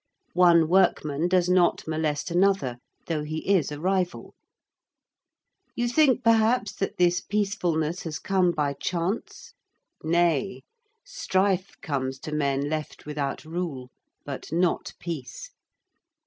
One workman does not molest another though he is a rival. You think, perhaps, that this peacefulness has come by chance? Nay: strife comes to men left without rule but not peace.